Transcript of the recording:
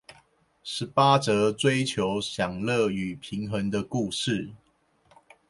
十八則追求享樂與平衡的故事